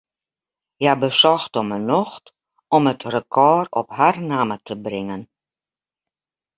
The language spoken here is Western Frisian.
Hja besocht om 'e nocht om it rekôr op har namme te bringen.